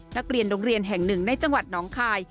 นักเรียนโรงเรียนแห่งหนึ่งในจังหวัดน้องคาย